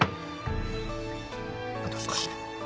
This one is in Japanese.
あと少し。